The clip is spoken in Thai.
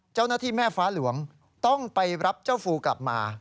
เจ้าหน้าที่แม่ฟ้าหลวงต้องไปรับเจ้าฟูกลับมา